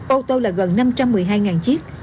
ô tô là gần năm trăm một mươi hai chiếc